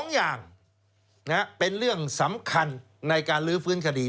๒อย่างเป็นเรื่องสำคัญในการลื้อฟื้นคดี